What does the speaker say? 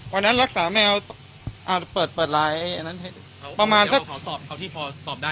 วันนั้นรักษาแมวอ่าเปิดเปิดไลน์ประมาณสักเอาที่พอสอบได้